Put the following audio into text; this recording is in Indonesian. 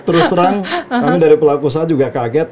terus terang kami dari pelaku usaha juga kaget